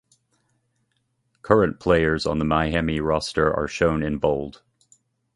Current players on the Miami roster are shown in bold.